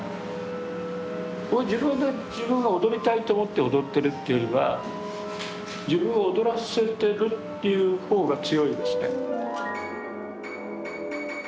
自分で自分が踊りたいと思って踊ってるっていうよりは自分を踊らせてるっていう方が強いですね。